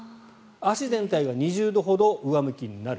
足全体が２０度ほど上向きになる。